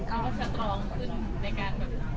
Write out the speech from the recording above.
เขาสบายใจ